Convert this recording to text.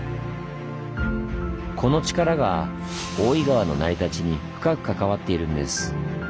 この力が大井川の成り立ちに深く関わっているんです。